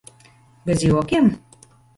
Bez jokiem?